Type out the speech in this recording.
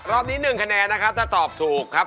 รอบนี้๑คะแนนนะครับถ้าตอบถูกครับ